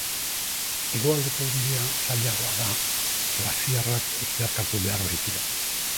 Hegoaldeko bidea zailagoa da glaziarrak zeharkatu behar baitira.